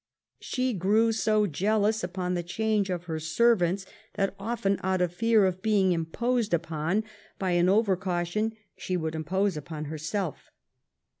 " She grew so jealous upon the change of her servants, that often, out of fear of being imposed upon, by an over caution she would impose upon herself."